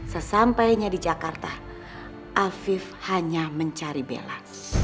sesampainya di jakarta afif hanya mencari bela